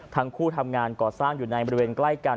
ทั้งคู่ทำงานก่อสร้างอยู่ในบริเวณใกล้กัน